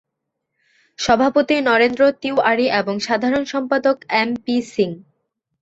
সভাপতি নরেন্দ্র তিওয়ারি এবং সাধারণ সম্পাদক এম পি সিং।